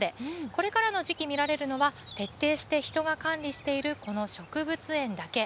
これからの時期、見られるのは、徹底して人が管理しているこの植物園だけ。